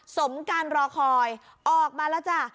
สมการรอคอยออกมาแล้วจ้ะ